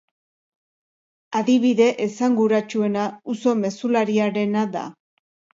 Adibide esanguratsuena uso mezulariarena da.